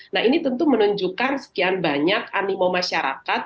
nah ini tentu menunjukkan sekian banyak animo masyarakat